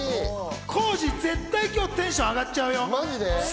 浩次、絶対今日テンション上がっちゃうよ。